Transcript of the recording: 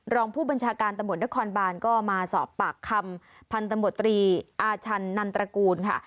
รองผู้บัญชาการตำรวจนครบานก็มาสอบปากคำพันธมตรีอาชันนันตระกูลค่ะ